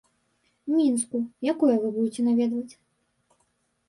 Мінску, якое вы будзеце наведваць?